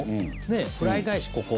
フライ返しここ。